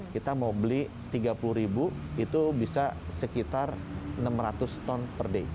kita mau beli tiga puluh ribu itu bisa sekitar enam ratus ton per day